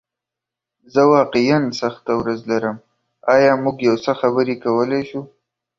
زه واقعیا سخته ورځ لرم، ایا موږ یو څه خبرې کولی شو؟